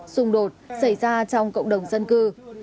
xung đột xảy ra trong cộng đồng dân cư